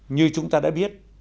như chúng ta đã biết